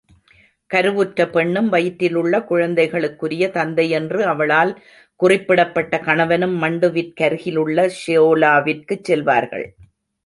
கருவுற்ற பெண்ணும், வயிற்றில் உள்ள குழந்தைகளுக்குரிய தந்தை என்று அவளால் குறிப்பிடப்பட்ட கணவனும், மண்டுவிற்கருகிலுள்ள ஷோலாவிற்குச் செல்லுவார்கள்.